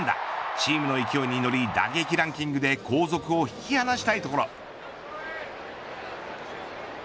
チームの勢いに乗り打撃ランキングで後続を引き離したいところ。